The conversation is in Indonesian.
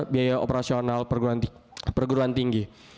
biaya operasional perguruan tinggi